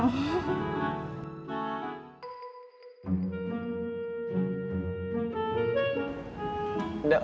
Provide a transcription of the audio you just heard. oh gitu doang